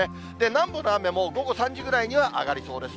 南部の雨も午後３時ぐらいには上がりそうです。